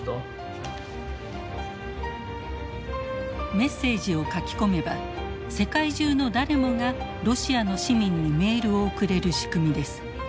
メッセージを書き込めば世界中の誰もがロシアの市民にメールを送れる仕組みです。